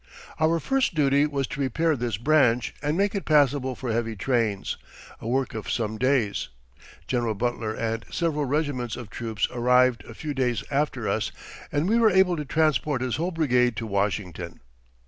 Our first duty was to repair this branch and make it passable for heavy trains, a work of some days. General Butler and several regiments of troops arrived a few days after us, and we were able to transport his whole brigade to Washington.